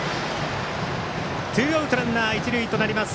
ツーアウト、ランナー、一塁となります。